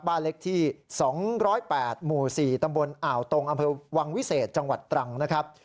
บ้านเล็กที่๒๐๘หมู่๔ตำบลอ่าวตรงอำเภอวังวิเศษจังหวัดตรังนะครับ